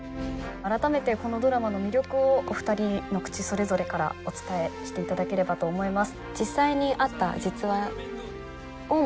あらためてこのドラマの魅力をお二人の口それぞれからお伝えしていただければと思います。